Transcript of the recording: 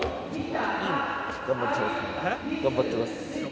えっ？頑張ってます。